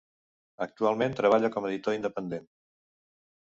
Actualment treballa com a editor independent.